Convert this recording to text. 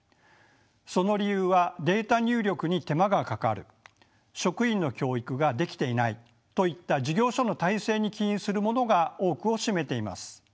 その理由は「データ入力に手間がかかる」「職員の教育ができていない」といった事業所の体制に起因するものが多くを占めています。